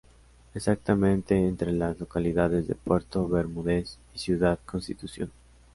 Exactamente entre las localidades de Puerto Bermúdez y Ciudad Constitución.